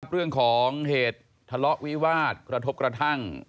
เรื่องของเหตุทะเลาะวิวาสกระทบกระทั่ง